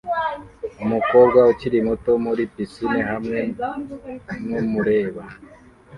Umukobwa ukiri muto muri pisine hamwe numureb